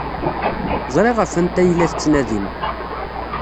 Ẓriɣ ɣef wanta ay la tettnadim.